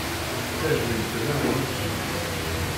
Tajmilt-nneɣ i yimsewwi.